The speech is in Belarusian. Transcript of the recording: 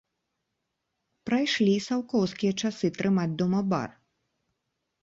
Прайшлі саўкоўскія часы трымаць дома бар!